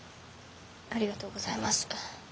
ありがとうございます。